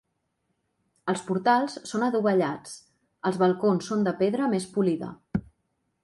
Els portals són adovellats, els balcons són de pedra més polida.